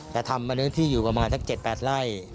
จะทำในบริเวณที่อยู่ประมาณถึง๗๘ไร่